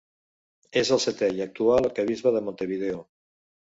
És el setè i actual arquebisbe de Montevideo.